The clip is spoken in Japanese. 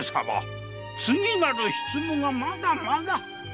次なる執務がまだまだ。